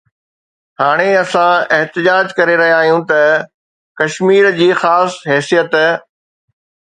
هاڻي اسان احتجاج ڪري رهيا آهيون ته ڪشمير جي خاص حيثيت